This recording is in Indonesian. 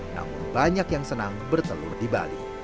namun banyak yang senang bertelur di bali